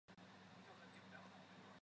杂色耀鲇的图片